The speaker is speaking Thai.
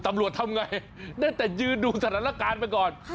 ตำรวจทำไงได้แต่ยืนดูสถานการณ์ไปก่อน